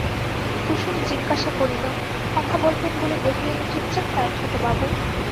কুসুম জিজ্ঞাসা করিল, কথা বলবেন বলে ডেকে এনে চুপচাপ কেন ছোটবাবু?